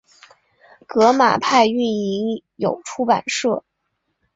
革马派运营有出版社。